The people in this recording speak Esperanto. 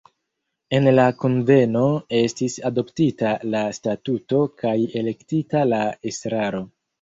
En la kunveno estis adoptita la statuto kaj elektita la estraro.